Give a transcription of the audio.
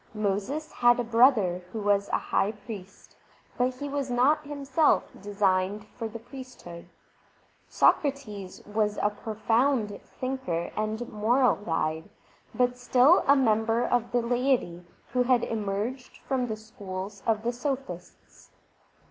Moses had a brother who was a high priest, but he was not himself designed for the priesthood. Sokrates was a profound thinker and moral guide, but still a member of the laity who had emerged from the schools of the sophists.